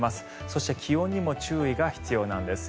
そして気温にも注意が必要なんです。